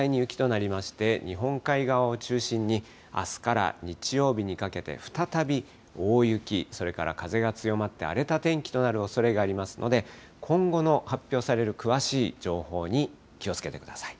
あすから次第に雪となりまして、日本海側を中心にあすから日曜日にかけて、再び大雪、それから風が強まって荒れた天気となるおそれがありますので、今後の発表される詳しい情報に気をつけてください。